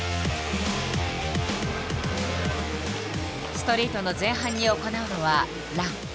ストリートの前半に行うのは「ラン」。